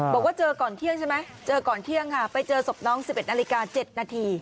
บอกว่าเจอก่อนเที่ยงใช่ไหมเจอก่อนเที่ยงค่ะไปเจอศพน้อง๑๑นาฬิกา๗นาที